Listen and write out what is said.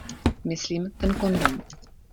Myslím ten kondom.